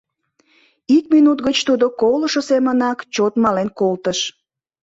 Ик минут гыч тудо колышо семынак чот мален колтыш...